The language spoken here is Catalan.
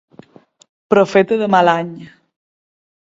Profeta de mal any.